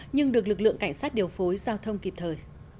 nhưng được lực lượng cảnh sát điều phối giao thông kịp thời